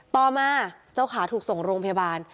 ต่อมาเจ้าขาถูกส่งโรงพยาบาล